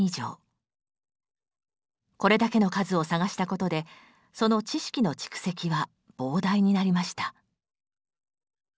これだけの数を探したことでその知識の蓄積は膨大になりました。